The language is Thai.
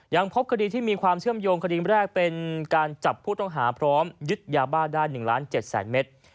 ยังพบคดีที่มีความเชื่อมโยงคดีแรกเป็นการจับผู้ต้องหาพร้อมยึดยาบ้าได้๑ล้าน๗แสนเมตร